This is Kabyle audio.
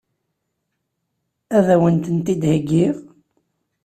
Ad wen-tent-id-heggiɣ?